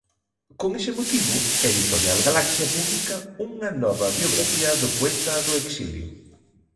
Con ese motivo, Editorial Galaxia publica unha nova biografía do poeta do exilio.